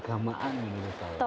tokoh agama harus langsung turun